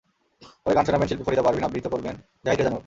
পরে গান শোনাবেন শিল্পী ফরিদা পারভীন, আবৃত্তি করবেন জাহীদ রেজা নূর।